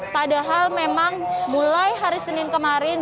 padahal memang mulai hari senin kemarin